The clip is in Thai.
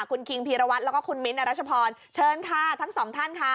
คุณคิงพีรวัตรแล้วก็คุณมิ้นทรัชพรเชิญค่ะทั้งสองท่านค่ะ